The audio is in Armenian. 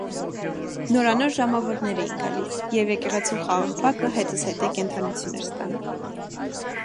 Նորանոր ժամավորներ էին գալիս, և եկեղեցու խաղաղ բակը հետզհետե կենդանություն էր ստանում: